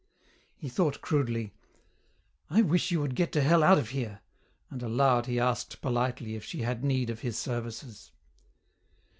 He thought crudely, "I wish you would get to hell out of here," and aloud he asked politely if she had need of his services.